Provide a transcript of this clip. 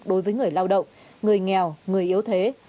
đối với người lao động người nghèo người yếu thế